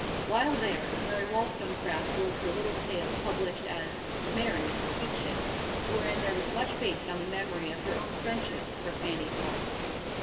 While there, Mary Wollstonecraft wrote her little tale published as "Mary, a Fiction," wherein there was much based on the memory of her own friendship for Fanny Blood.